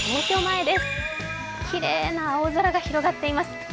きれいな青空が広がっています。